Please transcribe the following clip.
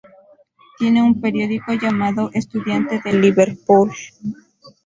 Tiene un periódico llamado Estudiante de Liverpool.